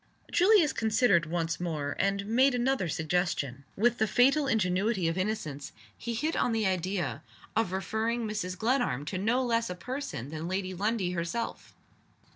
Julius considered once more; and made another suggestion. With the fatal ingenuity of innocence, he hit on the idea of referring Mrs. Glenarm to no less a person than Lady Lundie herself!